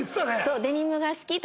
デニムが好きとか。